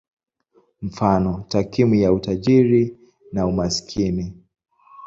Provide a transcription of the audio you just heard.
Mfano: takwimu ya utajiri na umaskini.